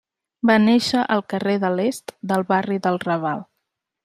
Va néixer al carrer de l'Est del barri del Raval.